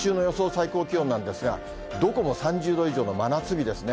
最高気温なんですが、どこも３０度以上の真夏日ですね。